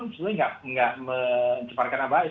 sebenarnya nggak mengembangkan apa apa